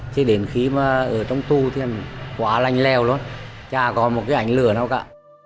thì đến khi mà ở trong tu thì quá lành leo luôn chả có một cái ảnh lửa nào cả